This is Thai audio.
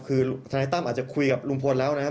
คือทนายตั้มอาจจะคุยกับลุงพลแล้วนะครับ